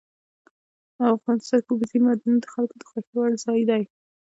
افغانستان کې اوبزین معدنونه د خلکو د خوښې وړ ځای دی.